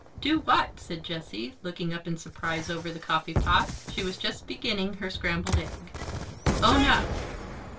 "Do what?" said Jessie, looking up in surprise over the coffee pot. She was just beginning her scrambled egg. "Own up."